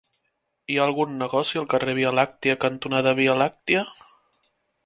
Hi ha algun negoci al carrer Via Làctia cantonada Via Làctia?